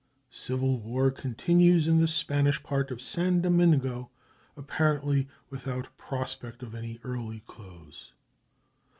Civil war continues in the Spanish part of San Domingo, apparently without prospect of an early close.